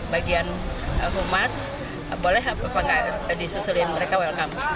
bagian humas boleh atau tidak disusulkan mereka welcome